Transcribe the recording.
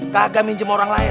kagak minjem orang lain